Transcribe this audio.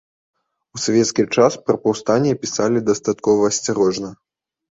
У савецкі час пра паўстанне пісалі дастаткова асцярожна.